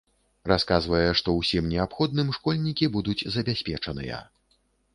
Расказвае, што ўсім неабходным школьнікі будуць забяспечаныя.